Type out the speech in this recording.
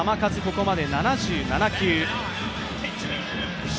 ここまで７７球。